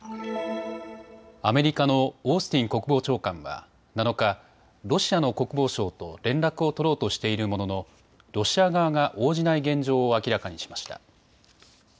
アメリカのオースティン国防長官は７日、ロシアの国防相と連絡を取ろうとしているもののロシア側が応じない現状を明らかにしました。